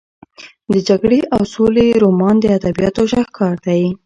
د جګړې او سولې رومان د ادبیاتو شاهکار دی.